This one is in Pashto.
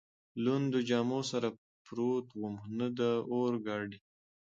لوندو جامو سره پروت ووم، نه د اورګاډي.